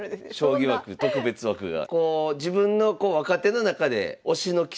将棋枠特別枠が。